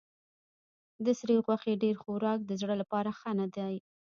د سرې غوښې ډېر خوراک د زړه لپاره ښه نه دی.